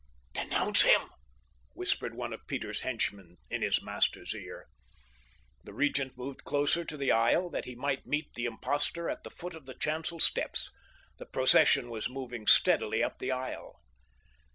"Denounce him!" whispered one of Peter's henchmen in his master's ear. The Regent moved closer to the aisle, that he might meet the impostor at the foot of the chancel steps. The procession was moving steadily up the aisle.